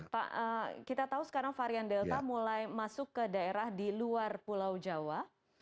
pak kita tahu sekarang varian delta mulai masuk ke daerah di luar pulau jawa